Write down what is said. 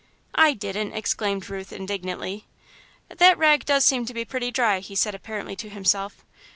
"I didn't!" exclaimed Ruth indignantly. "That rag does seem to be pretty dry," he said, apparently to himself.